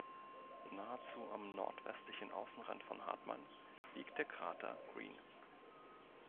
Nahezu am nordwestlichen Außenrand von Hartmann liegt der Krater Green.